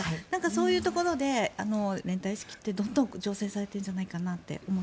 そういうところで連帯意識ってどんどん醸成されてるんじゃないかなと。